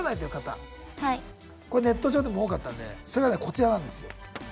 これネット上でも多かったんでそれはねこちらなんですよ。